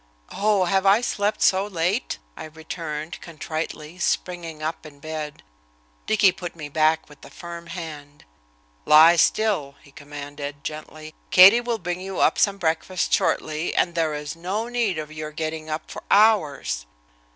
"Oh, have I slept so late?" I returned, contritely, springing up in bed. Dicky put me back with a firm hand. "Lie still," he commanded, gently. "Katie will bring you up some breakfast shortly, and there is no need of your getting up for hours."